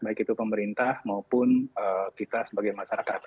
baik itu pemerintah maupun kita sebagai masyarakat